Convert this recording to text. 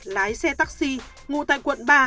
lái xe taxi ngụ tại quận ba